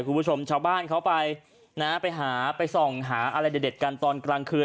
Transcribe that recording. คุณผู้ชมชาวบ้านเขาไปนะฮะไปหาไปส่องหาอะไรเด็ดกันตอนกลางคืน